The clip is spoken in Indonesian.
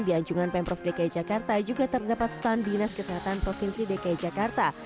di anjungan pemprov dki jakarta juga terdapat stand dinas kesehatan provinsi dki jakarta